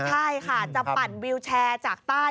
ใช่ค่ะจะปั่นวิวแชร์จากใต้